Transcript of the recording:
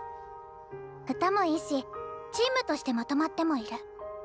歌もいいしチームとしてまとまってもいる。